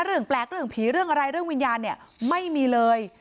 เรื่องแปลกเรื่องผีเรื่องอะไรเรื่องวิญญาณเนี่ยไม่มีเลย